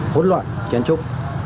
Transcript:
hỗn loạn chén trúc